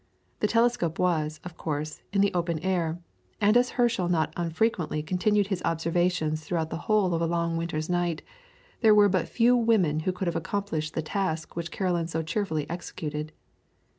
The telescope was, of course, in the open air, and as Herschel not unfrequently continued his observations throughout the whole of a long winter's night, there were but few women who could have accomplished the task which Caroline so cheerfully executed.